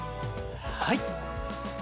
はい